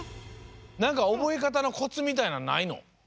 なんかおぼえかたのコツみたいなんないの？